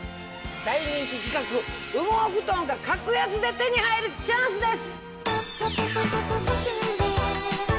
大人気企画羽毛ふとんが格安で手に入るチャンスです！